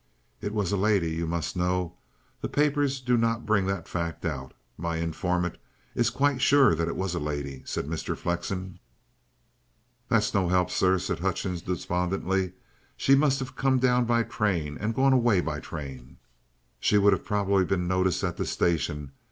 "It was a lady, you must know. The papers do not bring that fact out. My informant is quite sure that it was a lady," said Mr. Flexen. "That's no 'elp, sir," said Hutchings despondently. "She must have come down by train and gone away by train." "She would have probably been noticed at the station.